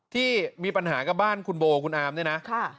ที่มีปัญหากับบ้านคุณโบอล์คุณอาร์มด้วยนะ